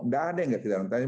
nggak ada yang nggak kita tanya